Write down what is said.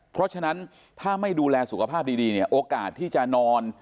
เพราะฉะนั้นถ้าไม่ดูแลสุขภาพดีเนี่ยโอกาสที่จะนอน